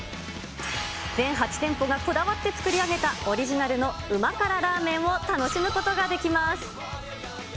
全８店舗がこだわって作り上げたオリジナルの旨辛ラーメンを楽しむことができます。